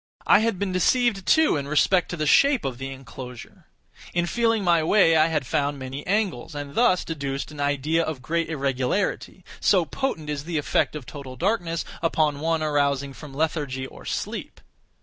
I had been deceived, too, in respect to the shape of the enclosure. In feeling my way I had found many angles, and thus deduced an idea of great irregularity; so potent is the effect of total darkness upon one arousing from lethargy or sleep!